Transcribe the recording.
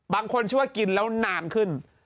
ชื่อว่ากินแล้วนานขึ้น